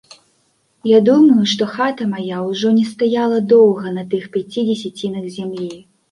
Я думаю, што хата мая ўжо не стаяла доўга на тых пяці дзесяцінах зямлі.